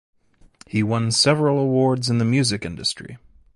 He won several awards in the music industry.